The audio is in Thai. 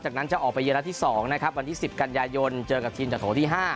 จากนั้นจะออกไปเยือนัดที่๒นะครับวันที่๑๐กันยายนเจอกับทีมจากโถที่๕